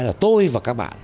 là tôi và các bạn